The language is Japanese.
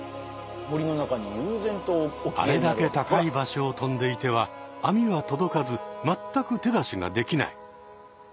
あれだけ高い場所を飛んでいてはあみは届かず全く手出しができない。